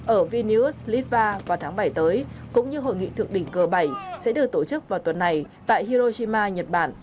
ở vinius litva vào tháng bảy tới cũng như hội nghị thượng đỉnh g bảy sẽ được tổ chức vào tuần này tại hiroshima nhật bản